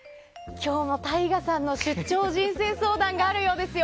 今日もＴＡＩＧＡさんの出張人生相談があるようですよ。